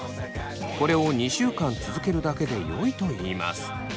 これを２週間続けるだけでよいといいます。